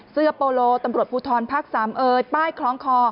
เสื้อโปโลตำรวจภูทรภาคสามเอิญป้ายคล้องคอ